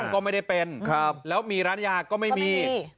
ก็ไม่ได้เป็นแล้วมีร้านยาก็ไม่มี